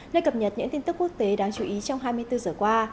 nơi cập nhật những tin tức quốc tế đáng chú ý trong hai mươi bốn giờ qua